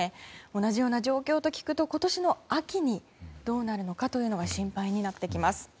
同じような状況と聞くと今年の秋にどうなるかというのが心配になってきます。